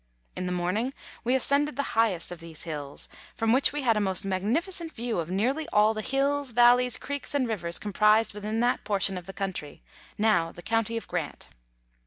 In the morning we ascended the highest of these hills, from which we had a most magnificent view of nearly all the hills, valleys, creeks, and rivers comprised within that portion of the country, now the County of Grant.